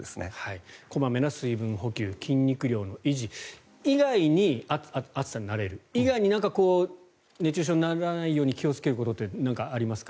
小まめな水分補給筋肉量の維持以外に暑さに慣れる、それ以外に何か熱中症にならないように気をつけることって何かありますか？